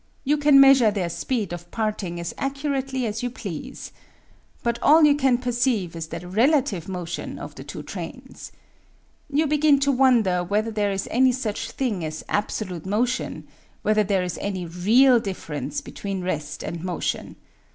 You can measure their speed of parting as accurately as you please. But all you can perceive is the relative motion of the two trains. You begin to wonder whether there is any such thing as abso lute motion; whether there is any real difference be tween rest and motion.